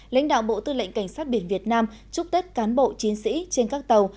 lãnh đạo bộ tư lệnh cảnh sát biển việt nam chúc tết cán bộ chiến sĩ trên các tàu